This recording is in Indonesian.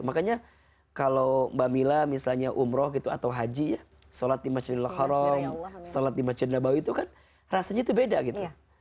makanya kalau mbak mila misalnya umroh gitu atau haji ya sholat di masjidil haram sholat di masjid nabawi itu kan rasanya tuh beda gitu